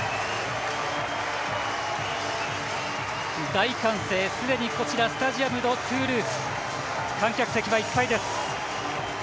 大歓声、すでにスタジアム・ド・トゥールーズ観客席は、いっぱいです。